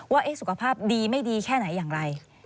ว่าสุขภาพดีไม่ดีแค่ไหนอย่างไร